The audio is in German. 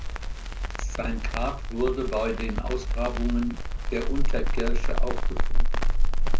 Sein Grab wurde bei den Ausgrabungen der Unterkirche aufgefunden.